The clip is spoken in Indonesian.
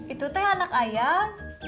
itu teh anak ayah